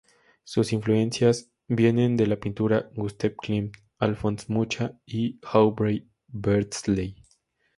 Sus influencias vienen de la pintura: Gustave Klimt, Alfons Mucha y Aubrey Beardsley.